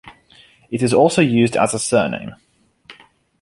It is also used as a surname.